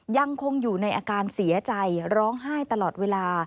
ยังคงอยู่ในอาการเสียใจร้องไห้ตลอดเวลา